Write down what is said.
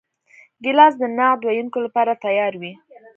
ګیلاس د نعت ویونکو لپاره تیار وي.